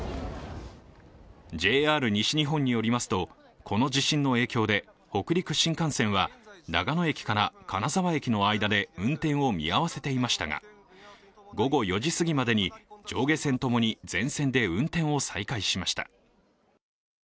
ＪＲ西日本によりますと、この地震の影響で北陸新幹線は長野駅から金沢駅の間で運転を見合わせていましたが午後４時すぎまでに上下線ともに全線で運転を再開しました。